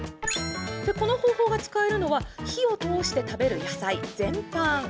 この方法が使えるのは火を通して食べる野菜全般。